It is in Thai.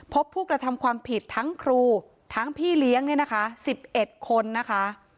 พบผู้กระทำความผิดทั้งครูทั้งพี่เลี้ยงเนี่ยนะคะ๑๑คนนะคะ